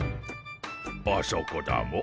あそこだモ。